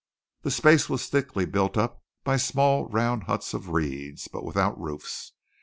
The space was thickly built up by small round huts of reeds, but without roofs.